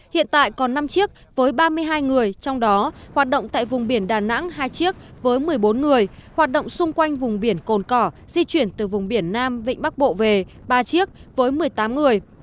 hiện tại còn năm chiếc với ba mươi hai người trong đó hoạt động tại vùng biển đà nẵng hai chiếc với một mươi bốn người hoạt động xung quanh vùng biển cồn cỏ di chuyển từ vùng biển nam vịnh bắc bộ về ba chiếc với một mươi tám người